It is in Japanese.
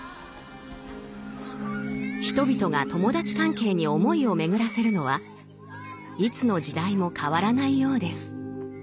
人々が友達関係に思いを巡らせるのはいつの時代も変わらないようです。